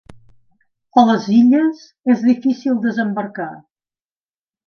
A les illes és difícil de desembarcar.